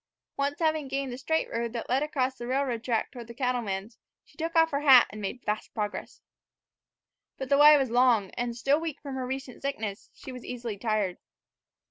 Once having gained the straight road that led across the railroad track toward the cattleman's, she took off her hat and made faster progress. But the way was long, and, still weak from her recent sickness, she was easily tired.